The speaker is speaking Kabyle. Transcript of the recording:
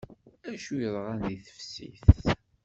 Acu yeḍran deg teftist?